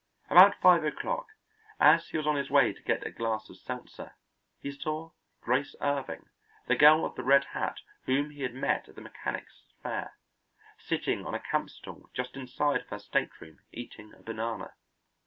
About five o'clock, as he was on his way to get a glass of seltzer, he saw Grace Irving, the girl of the red hat whom he had met at the Mechanics' Fair, sitting on a camp stool just inside of her stateroom eating a banana.